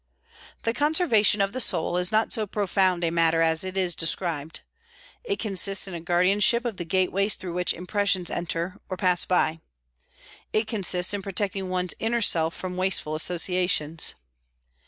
The conservation of the soul is not so profound a matter as it is described. It consists in a guardianship of the gateways through which impressions enter, or pass by; it consists in protecting one's inner self from wasteful associations.